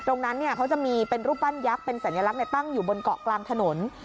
ตรงนั้นเขาจะมีเป็นรูปปั้นยักษ์เป็นสัญลักษณ์ตั้งอยู่บนเกาะกลางถนน